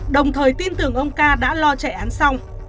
đồng thời tin tưởng ông ca đã lo chạy án xong